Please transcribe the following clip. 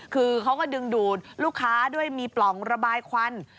คือเขาก็ดึงดูดลูกค้าด้วยมีปล่องระบายควัน